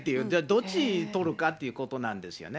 どっち取るかっていうことなんですよね。